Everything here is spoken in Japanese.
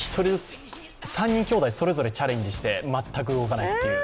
これ３人きょうだいそれぞれチャレンジして、全く動かないという。